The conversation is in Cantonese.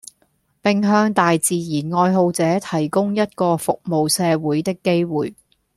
並向大自然愛好者提供一個服務社會的機會